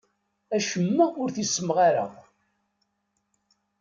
Acemma ur t-ssemɣareɣ.